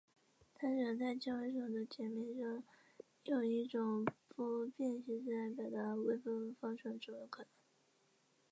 它使得在纤维丛的截面上用一种不变形式来表达微分方程成为可能。